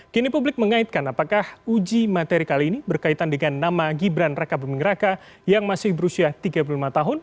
kini publik mengaitkan apakah uji materi kali ini berkaitan dengan nama gibran raka buming raka yang masih berusia tiga puluh lima tahun